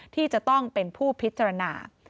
ที่จะต้องเป็นผู้พิจารณา